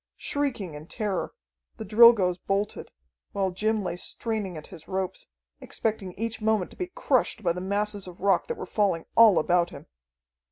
Shrieking in terror, the Drilgoes bolted, while Jim lay straining at his ropes, expecting each moment to be crushed by the masses of rock that were falling all about him.